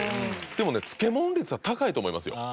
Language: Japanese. でもね漬物率は高いと思いますよ。